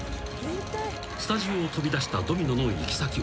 ［スタジオを飛び出したドミノの行き先は］